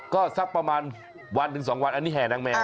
ก็สักประมาณวันถึง๒วันอันนี้แห่นางแมว